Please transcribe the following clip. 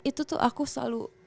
itu tuh aku selalu